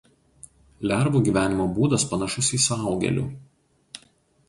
Lervų gyvenimo būdas panašus į suaugėlių.